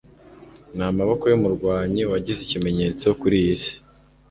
Namaboko yumurwanyi wagize ikimenyetso kuri iyi si